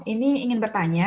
ini ingin bertanya